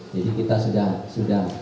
jadi kita sudah mendapatkan